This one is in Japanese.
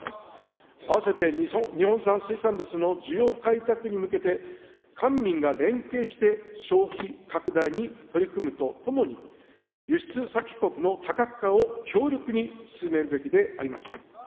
併せて、日本産水産物の需要開拓に向けて、官民が連携して消費拡大に取り組むとともに、輸出先国の多角化を強力に進めるべきであります。